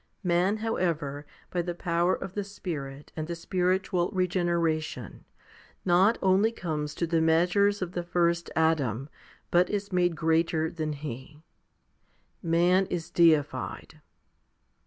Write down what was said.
Man, however, by the power of the Spirit and the spiritual regeneration, not only comes to the measures of the first Adam, but is made greater than he. Man is deified.